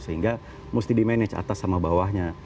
sehingga mesti di manage atas sama bawahnya